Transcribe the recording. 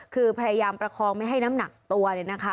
คือพยายามประคองไม่ให้น้ำหนักตัวเลยนะคะ